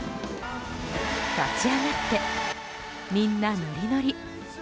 立ち上がってみんなノリノリ。